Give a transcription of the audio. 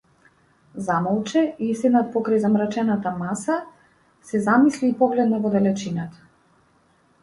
Замолче и, седнат покрај замрачената маса, се замисли и погледна во далечината.